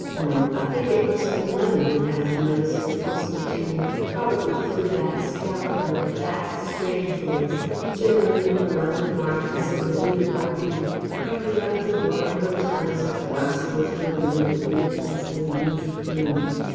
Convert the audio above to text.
No. I think it must be mother who has notices posted to me, probably through that scoundrel, Bax Strangeways ... generally in the London Argus and the Vie de Paris cracking up the Warren Hotels in Brussels, Berlin, Buda Pest and Roquebrune.